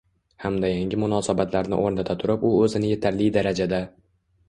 hamda yangi munosabatlarni o‘rnata turib u o‘zini yetarli darajada